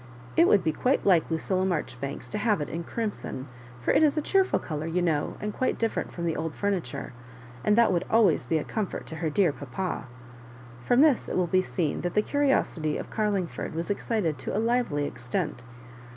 It would be quite like Lucilla Marjoribanks to have it in crimson — ^for it is a cheerful colour, you know, and quite differ ent from the old furniture ; and th^t would al ways be a comfort to her dear papa." From this it will be seen that the curiosity of Carlingford was excited to a lively extent.